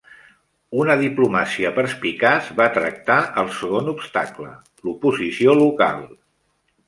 Una diplomàcia perspicaç va tractar el segon obstacle, l'oposició local.